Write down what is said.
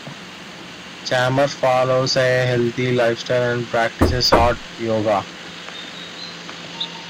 Chambers follows a healthy lifestyle and practices hot yoga.